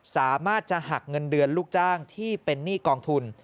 สามารถจะหักเงินเดือนลูกจ้างที่เป็นหนี้กองทุน